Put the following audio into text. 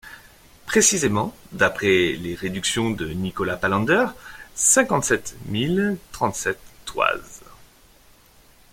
Précisément, d’après les réductions de Nicolas Palander, cinquante-sept mille trente-sept toises.